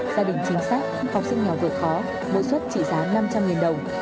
gia đình chính xác học sinh nghèo vừa khó bộ suất trị giá năm trăm linh đồng